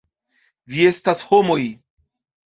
Vi estas homoj!